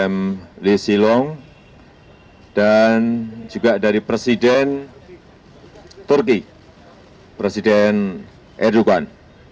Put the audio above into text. m lee silong dan juga dari presiden turki presiden erlukan